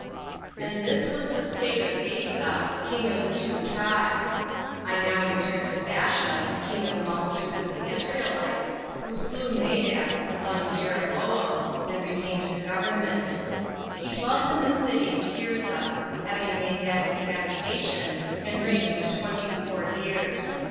3. And this was the state of Asa, king of the two tribes. I now return to Baasha, the king of the multitude of the Israelites, who slew Nadab, the son of Jeroboam, and retained the government. He dwelt in the city Tirzah, having made that his habitation, and reigned twenty four years.